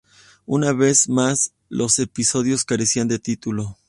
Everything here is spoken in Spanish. Una vez más, los episodios carecían de título.